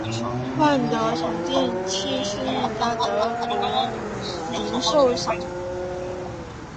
万得城电器是一家德国的电器零售商。